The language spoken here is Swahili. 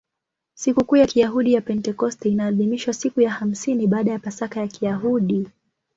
Sikukuu ya Kiyahudi ya Pentekoste inaadhimishwa siku ya hamsini baada ya Pasaka ya Kiyahudi.